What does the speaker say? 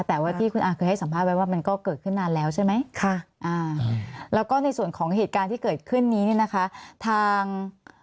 แต่ว่าที่คุณอาเคยให้สัมภาษณ์ไว้ว่ามันก็เกิดขึ้นนานแล้วใช่ไหมค่ะอ่าแล้วก็ในส่วนของเหตุการณ์ที่เกิดขึ้นนี้เนี่ยนะคะทาง